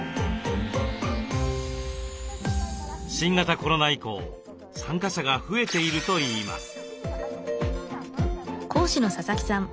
新型コロナ以降参加者が増えているといいます。